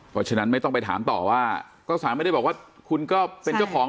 เพราะฉะนั้นไม่ต้องไปถามต่อว่าก็สารไม่ได้บอกว่าคุณก็เป็นเจ้าของ